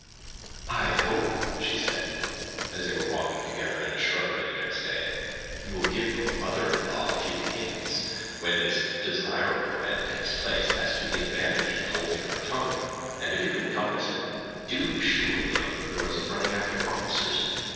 "I hope," said she, as they were walking together in the shrubbery the next day, "you will give your mother in law a few hints, when this desirable event takes place, as to the advantage of holding her tongue; and if you can compass it, to cure the younger girls of running after the officers.